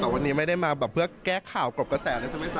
วันนี้ไม่ได้มาแบบเพื่อแก้ข่าวกรบกระแสเลยใช่ไหมจ